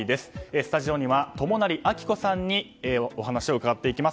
スタジオには友成暁子さんにお話を伺っていきます。